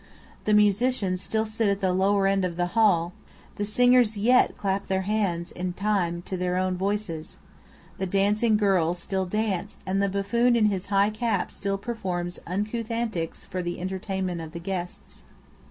The musicians still sit at the lower end of the hall; the singers yet clap their hands in time to their own voices; the dancing girls still dance, and the buffoon in his high cap still performs uncouth antics, for the entertainment of the guests.